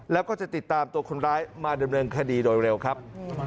แล้วก็จะติดตามตัวคนร้ายมาดำเนินคดีโดยเร็วครับ